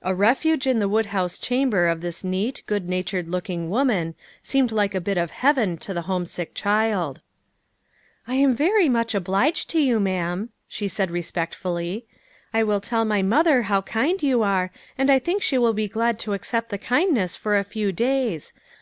A refuge in the woodhouse chamber of this neat, good natured looking woman seemed like a bit of heaven to the homesick child. "I am very much obliged to you, ma'am," she said respectfully ;" I will tell my mother how kind you are, and I think she will be glad to accept the kindness for a few days.